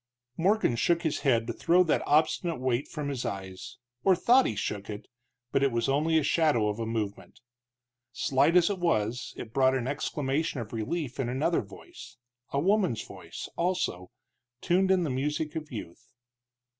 Morgan shook his head to throw that obstinate weight from his eyes, or thought he shook it, but it was only the shadow of a movement. Slight as it was it brought an exclamation of relief in another voice, a woman's voice, also, tuned in the music of youth.